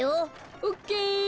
オッケー！